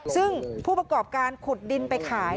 ซึ่งผู้ประกอบการขุดดินไปขาย